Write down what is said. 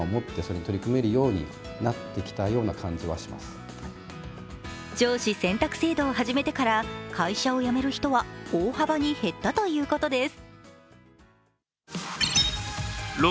その効果は上司選択制度を始めてから会社を辞める人は大幅に減ったということです。